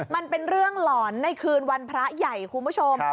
มันเป็นเรื่องหลอนในคืนวันพระใหญ่คุณผู้ชม